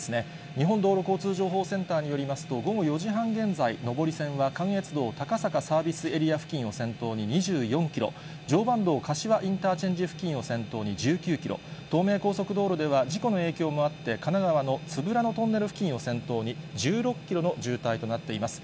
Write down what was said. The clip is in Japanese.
日本道路交通情報センターによりますと、午後４時半現在、上り線は関越道高坂サービスエリア付近を先頭に２４キロ、常磐道柏インターチェンジ付近を先頭に１９キロ、東名高速道路では事故の影響もあって、神奈川の都夫良野トンネル付近を先頭に１６キロの渋滞となっています。